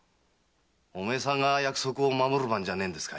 お前さんが約束を守る番じゃねえんですか？